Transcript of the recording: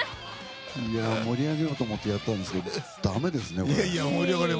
盛り上げようと思ってやったんですけど駄目ですね、これ。